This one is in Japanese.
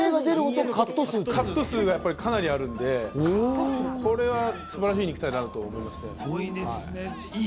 カット数がかなりあるので素晴らしい肉体だなと思いますね。